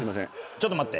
ちょっと待って。